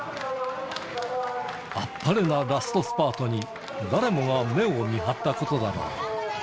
あっぱれなラストスパートに、誰もが目を見張ったことだろう。